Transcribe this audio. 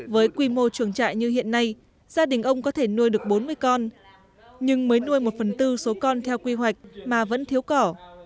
với quy mô trường trại như hiện nay gia đình ông có thể nuôi được bốn mươi con nhưng mới nuôi một phần tư số con theo quy hoạch mà vẫn thiếu cỏ